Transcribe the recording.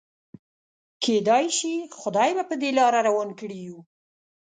کيدای شي خدای به په دې لاره روان کړي يو.